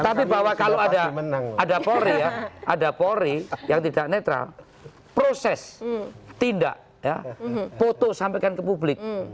tapi bahwa kalau ada polri ya ada polri yang tidak netral proses tindak foto sampaikan ke publik